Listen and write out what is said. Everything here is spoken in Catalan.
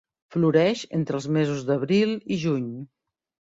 Floreix entre els mesos d'abril i juny.